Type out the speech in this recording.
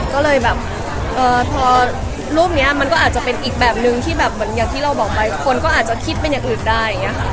ก็เลยแบบพอรูปนี้มันก็อาจจะเป็นอีกแบบนึงที่แบบเหมือนอย่างที่เราบอกไปคนก็อาจจะคิดเป็นอย่างอื่นได้อย่างนี้ค่ะ